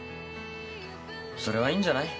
それはいいんじゃない？